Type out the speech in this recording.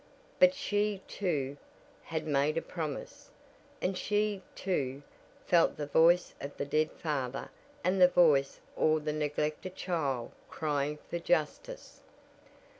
But she, too, had made a promise, and she, too, felt the voice of the dead father and the voice or the neglected child crying for justice.